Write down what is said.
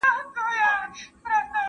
موږ یو له بل سره مینه کوو.